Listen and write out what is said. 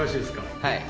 はい。